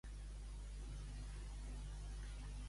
Quan la grua puja d'Aragó, poda, poda, podador.